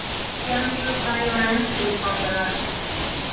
Gang violence is on the rise.